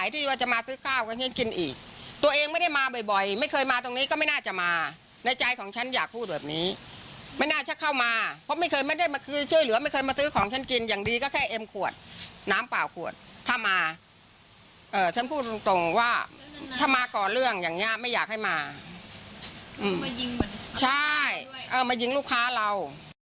ตัวเองไม่ได้มาบ่อยไม่เคยมาตรงนี้ก็ไม่น่าจะมาในใจของฉันอยากพูดแบบนี้ไม่น่าจะเข้ามาเพราะไม่เคยมาซื้อเหลือไม่เคยมาซื้อของฉันกินอย่างดีก็แค่เอ็มขวดน้ำเปล่าขวดถ้ามาเอ่อฉันพูดตรงว่าถ้ามาก่อเรื่องอย่างนี้ไม่อยากให้มาใช่เอ่อมายิงลูกค้าเรา